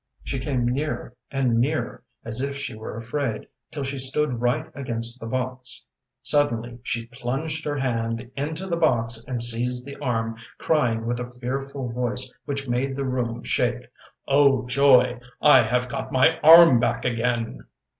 She came nearer and nearer, as if she were afraid, till she stood right against the box. Suddenly she plunged her hand into the box and seized the arm, crying with a fearful voice which made the room shake: ŌĆ£Oh, joy! I have got my arm back again!